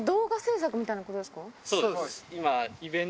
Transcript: そうです。